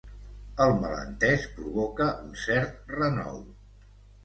El malentès provoca un cert renou.